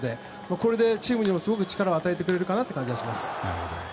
これでチームにもすごく力を与えてくれるかなという感じがします。